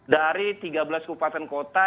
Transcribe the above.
dari tiga belas kupatan kota